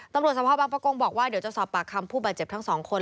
ตำลัดสัปภาพบ้างปะกงบอกว่าเดี๋ยวเจาสร้างปากคำผู้บาดเจ็บทั้ง๒คน